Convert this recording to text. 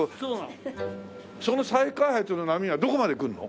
そこの再開発の波はどこまで来るの？